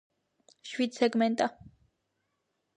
შვიდსეგმენტა